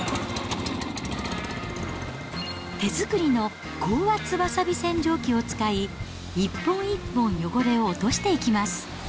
手作りの高圧わさび洗浄機を使い、一本一本汚れを落としていきます。